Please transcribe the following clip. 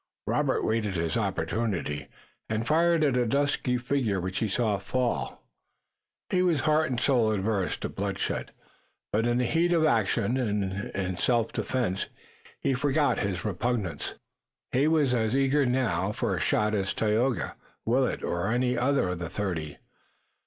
Robert waited his opportunity, and fired at a dusky figure which he saw fall. He was heart and soul averse to bloodshed, but in the heat of action, and in self defense, he forgot his repugnance. He was as eager now for a shot as Tayoga, Willet, or any other of the thirty.